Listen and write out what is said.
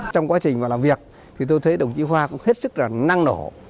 trong quá trình làm việc tôi thấy đồng chí hoa cũng hết sức năng nổ